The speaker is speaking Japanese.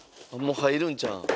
もう入るんちゃう？